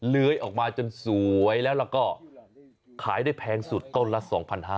เลื้อยออกมาจนสวยแล้วก็ขายได้แพงสุดต้นละ๒๕๐๐